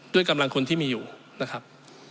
ด้วยกำลังคนที่มีอยู่นะครับ